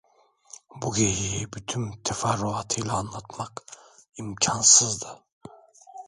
Bu geceyi bütün teferruatıyla anlatmak imkânsızdı.